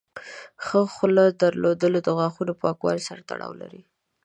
ښه خوله درلودل د غاښونو پاکوالي سره تړاو لري.